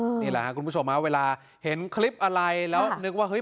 นี่แหละครับคุณผู้ชมฮะเวลาเห็นคลิปอะไรแล้วนึกว่าเฮ้ย